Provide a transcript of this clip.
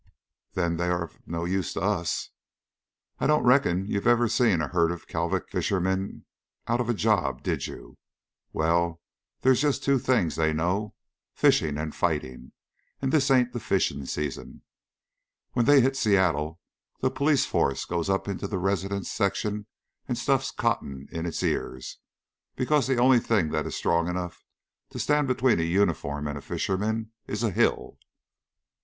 "Then they are of no use to us." "I don't reckon you ever seen a herd of Kalvik fishermen out of a job, did you? Well, there's just two things they know, fishing and fighting, and this ain't the fishing season. When they hit Seattle, the police force goes up into the residence section and stufts cotton in its ears, because the only thing that is strong enough to stand between a uniform and a fisherman is a hill."